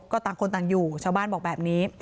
ก็ต่างคนต่างอยู่ชาวบ้านบอกแบบนี้